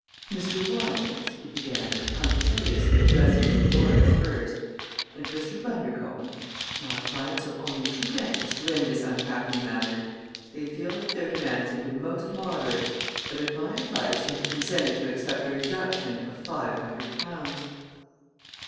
"Mr. Wymans," he began, punctiliously addressing the lawyer first, "and Mr. Bundercombe, my clients are only too anxious to end this unhappy matter. They feel that their demands have been most moderate, but at my advice they have consented to accept a reduction of five hundred pounds."